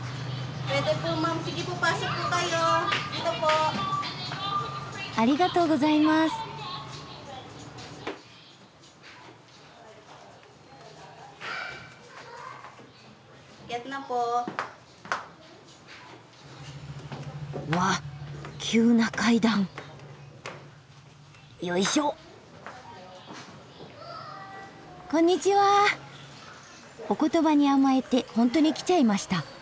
お言葉に甘えて本当に来ちゃいました。